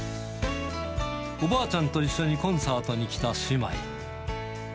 おばあちゃんと一緒にコンサートに来た姉妹。